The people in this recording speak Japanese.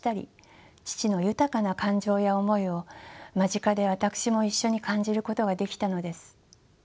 父の豊かな感情や思いを間近で私も一緒に感じることができたのです。